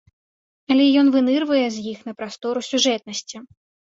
Але ён вынырвае з іх на прастору сюжэтнасці.